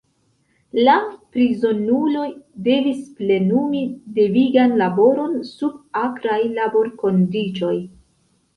La prizonuloj devis plenumi devigan laboron sub akraj laborkondiĉoj.